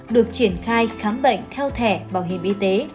được triển khai khám bệnh theo thẻ bảo hiểm y tế